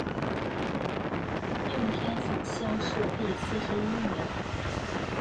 应天府乡试第四十一名。